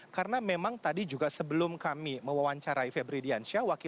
karena memang tadi juga sebelum kami mewawancarai febri diansyah